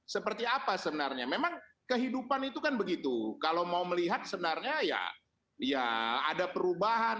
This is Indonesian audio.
seperti apa sebenarnya memang kehidupan itu kan begitu kalau mau melihat sebenarnya ya ya ada perubahan